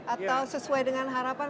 atau sesuai dengan harapan